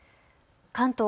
関東